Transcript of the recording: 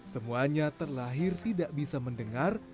semuanya terlahir tidak bisa mendengar